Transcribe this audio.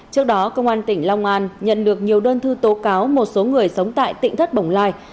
trước đó công an tỉnh long an nhận được nhiều đơn thư tố cáo một số người sống tại tỉnh thất bồng lai